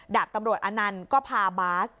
ดาบตำรวจอนันต์ก็พาบาส